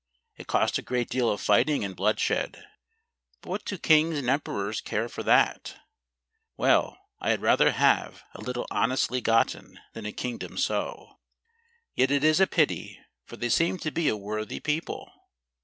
It cost a great deal of fighting and bloodshed; but what do kings and emperors care for that ? Well I had rather have a little honestly gotten, than a kingdom so. Yet it is a pity, for they seem to be a worthy people.